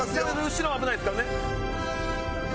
後ろ危ないですからね。